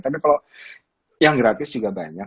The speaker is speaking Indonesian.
tapi kalau yang gratis juga banyak